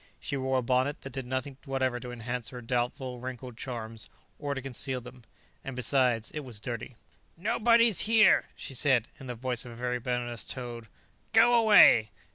She wore a bonnet that did nothing whatever to enhance her doubtful, wrinkled charms, or to conceal them; and besides, it was dirty. "Nobody's here," she said in the voice of a very venomous toad. "Go away."